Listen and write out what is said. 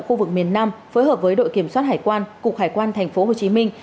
khu vực miền nam phối hợp với đội kiểm soát hải quan cục hải quan thành phố hồ chí minh